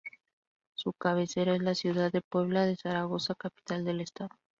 Su cabecera es la ciudad de Puebla de Zaragoza, capital del estado.